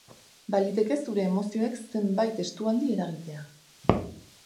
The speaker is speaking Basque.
Baliteke zure emozioek zenbait estualdi eragitea.